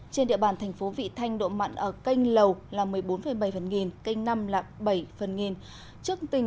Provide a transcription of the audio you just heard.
trên địa bàn thành phố vị thanh độ mặn ở kênh lầu là một mươi bốn bảy phần nghìn kênh năm là bảy phần nghìn